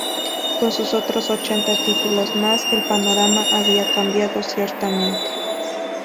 Con sus otros ochenta títulos más, el panorama había cambiado ciertamente.